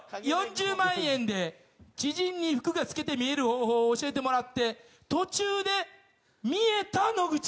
「４０万円で知人に服が透けて見える方法を教えてもらって途中で見えた野口五郎」。